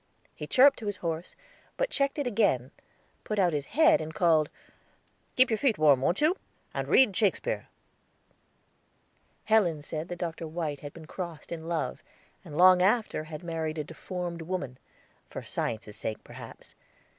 He chirruped to his horse, but checked it again, put out his head and called, "Keep your feet warm, wont you? And read Shakespeare." Helen said that Dr. White had been crossed in love, and long after had married a deformed woman for science's sake, perhaps.